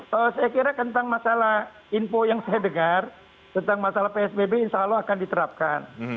saya kira tentang masalah info yang saya dengar tentang masalah psbb insya allah akan diterapkan